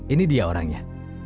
ini dia orangnya